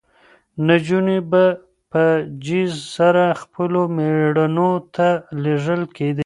نجونې به په جېز سره خپلو مېړونو ته لېږل کېدې.